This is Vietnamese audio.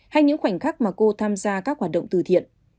hay những khoảnh khắc mà cô tham gia các hoạt động từ thiện